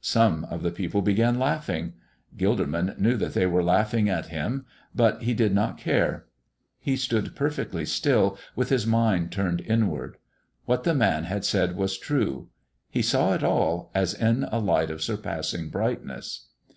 Some of the people began laughing. Gilderman knew that they were laughing at him, but he did not care. He stood perfectly still, with his mind turned inward. What the Man had said was true. He saw it all, as in a light of surpassing brightness.